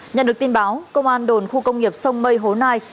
nhận được tin báo công an đồn khu công nghiệp sông mây hố nai